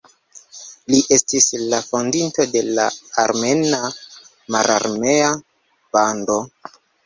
Li estis la fondinto de la "Armena Mararmea Bando".